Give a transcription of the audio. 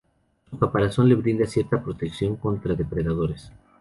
Su caparazón le brinda cierta protección contra depredadores.